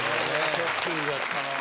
ショッキングやったな。